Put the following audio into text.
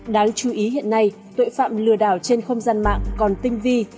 đáng chú ý hiện nay tội phạm lừa đảo trên không gian mạng còn tinh vi